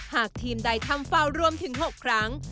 หากทีมใดทำฟาวรวมถึง๖ครั้ง